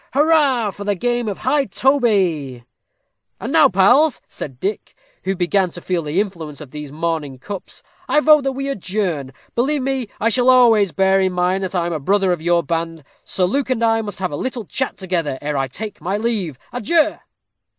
Hurrah for the game of high toby!_ "And now, pals," said Dick, who began to feel the influence of these morning cups, "I vote that we adjourn. Believe me I shall always bear in mind that I am a brother of your band. Sir Luke and I must have a little chat together ere I take my leave. Adieu!"